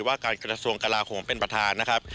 ว่าการกระทรวงกลาโหมเป็นประธานนะครับ